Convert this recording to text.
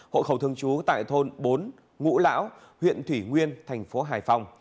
hội khẩu thường chú tại thôn bốn ngũ lão huyện thủy nguyên thành phố hải phòng